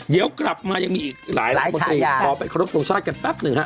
เดี๋ยวกลับมายังมีอีกหลายรัฐมนตรีพอไปครบโทษภาคกันแป๊บหนึ่งครับ